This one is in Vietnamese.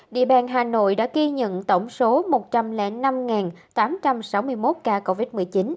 địa bàn hà nội đã ghi nhận tổng số một trăm linh năm tám trăm sáu mươi một ca covid một mươi chín